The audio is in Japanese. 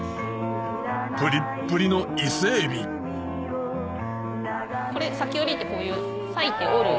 プリップリの伊勢エビこれ裂織りってこういう。